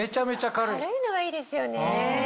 軽いのがいいですよね。